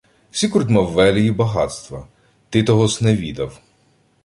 — Сікурд мав велії багатства. Ти того-с не відав.